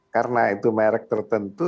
karena itu merek tertentu